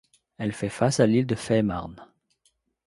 Elle fait face à l'île de Fehmarn.